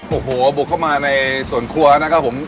โอ้โหบุกเข้ามาในส่วนครัวนะครับผม